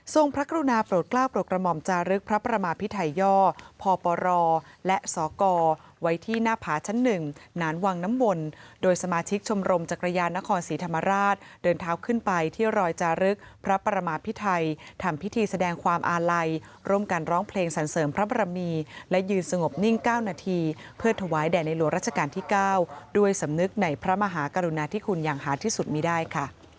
สรุปพระกรุณาโปรดกล้าปลอกระหมอมจารึกพระพระมาพิไทยย่อพปรและสกไว้ที่หน้าผาชั้น๑หนานวังน้ำมนต์โดยสมาชิกชมรมจักรยานนครสีธรรมราชเดินเท้าขึ้นไปที่รอยจารึกพระพระมาพิไทยทำพิธีแสดงความอาลัยร่มกันร้องเพลงสารเสริมพระปรมีและยืนสงบนิ่ง๙นาทีเพื่อถวายแดดในหลวงราชก